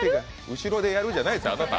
後ろでやる？じゃないですよ